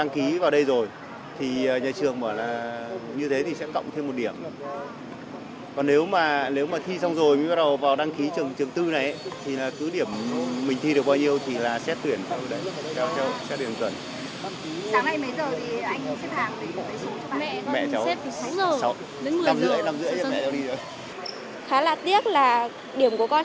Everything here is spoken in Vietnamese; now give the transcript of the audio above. khá là tiếc là điểm của con